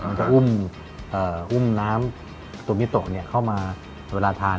มันจะอุ้มน้ำราวที่มิโต้เข้ามา